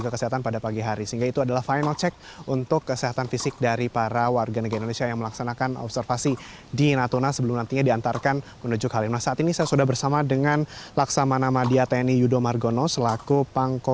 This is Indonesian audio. kegiatan pagi hari dilakukan seperti biasa dengan warga negara indonesia menunjukkan hasil yang selalu baik